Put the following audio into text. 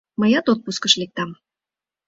Мыят отпускыш лектам.